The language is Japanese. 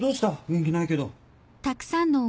元気ないけど。